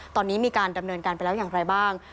ตอนนี้มีการดำเนินการไปแล้วอย่างไรบ้าง